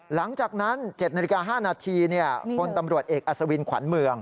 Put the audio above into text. หลังจากนั้น๗นาฬิกา๕นาทีพลตำรวจเอกอัศวินขวัญเมือง